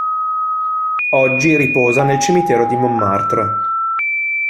Oggi riposa nel Cimitero di Montmartre.